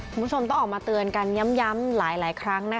คุณผู้ชมต้องออกมาเตือนกันย้ำหลายครั้ง